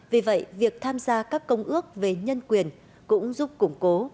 vì vậy việc tham gia các công ước về nhân quyền cũng giúp củng cố